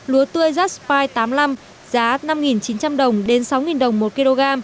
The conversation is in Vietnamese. lúa tươi jaspi tám mươi năm giá năm chín trăm linh đồng đến sáu đồng một kg